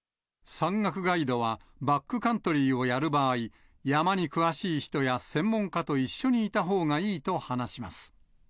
山岳ガイドは、バックカントリーをやる場合、山に詳しい人や、専門家と一緒にいたほうがいいと話します。